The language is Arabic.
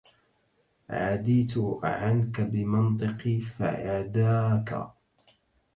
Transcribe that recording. عديت عنك بمنطقي فعداكا